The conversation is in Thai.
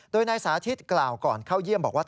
โดยนายสาธิตกล่าวก่อนเข้าเยี่ยมบอกว่า